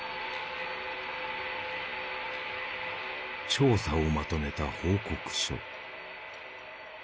調査をまとめた報告書。